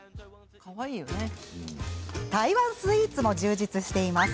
台湾スイーツも充実しています。